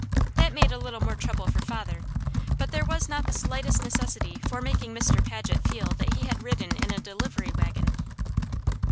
That made a little more trouble for father, but there was not the slightest necessity for making Mr. Paget feel that he had ridden in a delivery wagon.